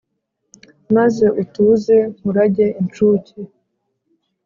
Maze utuze nkurage incuke